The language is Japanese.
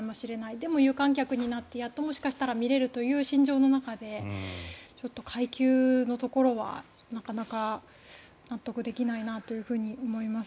でも有観客になってやっと、もしかしたら見れるという心情の中でちょっと階級のところはなかなか納得できないなと思います。